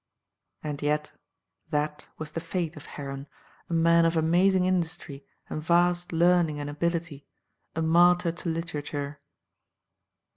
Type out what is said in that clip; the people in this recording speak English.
And yet that was the fate of Heron, a man of amazing industry and vast learning and ability, a martyr to literature.